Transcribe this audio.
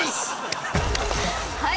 はい！